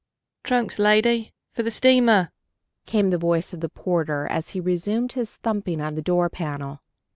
"Trunks, lady, for the steamer!" came the voice of the porter, as he resumed his thumping on the door panel.